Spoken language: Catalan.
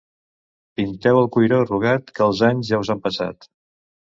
Pinteu el cuiro arrugat, que els anys ja us han passat.